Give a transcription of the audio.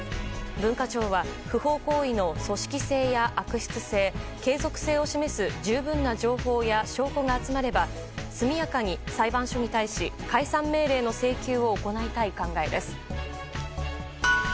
文化庁は不法行為の組織性や悪質性、継続性を示す十分な情報や証拠が集まれば速やかに裁判所に対し解散命令の請求を行いたい考えです。